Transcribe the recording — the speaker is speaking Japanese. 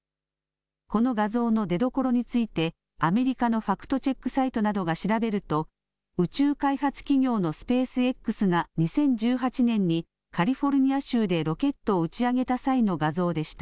この画像の出どころについて、アメリカのファクトチェックサイトなどが調べると、宇宙開発企業のスペースＸが２０１８年に、カリフォルニア州でロケットを打ち上げた際の画像でした。